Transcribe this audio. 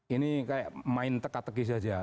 ini kayak main tegak tegis saja